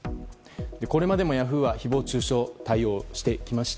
これまでもヤフーは誹謗中傷対応してきました。